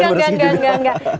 enggak enggak enggak